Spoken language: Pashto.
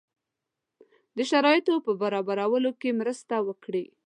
د شرایطو په برابرولو کې مرسته وکړي.